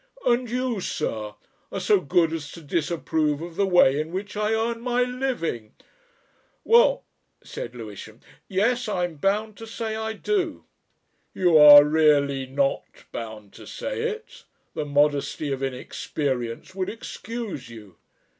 And you, sir, are so good as to disapprove of the way in which I earn my living?" "Well," said Lewisham. "Yes I'm bound to say I do." "You are really not bound to say it. The modesty of inexperience would excuse you."